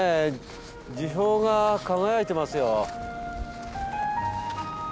樹氷が輝いてますよ。